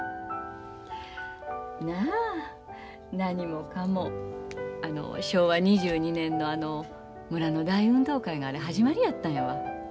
なあ何もかも昭和２２年のあの村の大運動会が始まりやったんやわ。